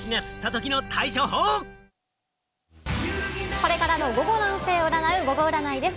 これから午後の運勢を占うゴゴ占いです。